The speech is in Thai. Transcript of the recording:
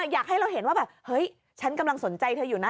อยากให้เราเห็นว่าแบบเฮ้ยฉันกำลังสนใจเธออยู่นะ